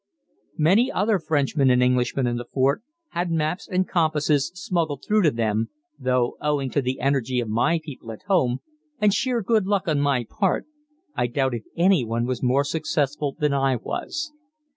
Many other Frenchmen and Englishmen in the fort had maps and compasses smuggled through to them, though owing to the energy of my people at home, and sheer good luck on my part, I doubt if anyone was more successful than I was.